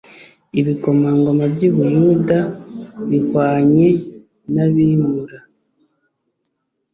ibikomangoma by i buyuda bihwanye n abimura